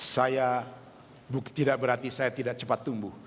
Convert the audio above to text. saya tidak berarti saya tidak cepat tumbuh